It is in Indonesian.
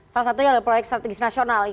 salah satunya oleh proyek strategis nasional